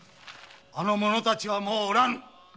あの者たちはもうおらぬ。